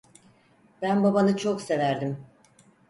Ben babanı çok severdim.